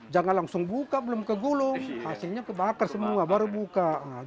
jangan langsung buka belum ke gulung hasilnya kebakar semua baru buka